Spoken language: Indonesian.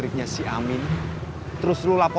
regsta nomor itu aja ya